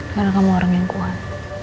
karena kamu orang yang kuat